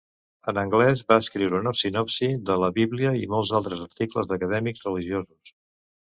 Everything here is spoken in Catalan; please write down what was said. En anglès va escriure una sinopsi de la Bíblia i molts altres articles acadèmics religiosos.